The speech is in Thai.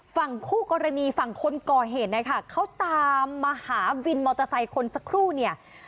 ฝั่งคู่กรณีฝั่งคนก่อเหตุนะคะเขาตามมาหาวินมอเตอร์ไซค์คนสักครู่เนี่ย